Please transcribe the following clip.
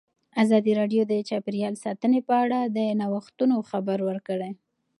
ازادي راډیو د چاپیریال ساتنه په اړه د نوښتونو خبر ورکړی.